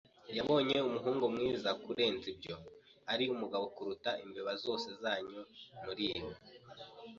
yabonye umuhungu mwiza kurenza ibyo. Ari umugabo kuruta imbeba zose zanyu muribi